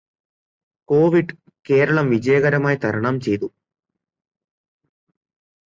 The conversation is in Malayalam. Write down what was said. കോവിഡ് കേരളം വിജയകരമായി തരണം ചെയ്തു.